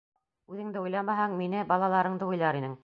Үҙеңде уйламаһаң, мине, балаларыңды уйлар инең!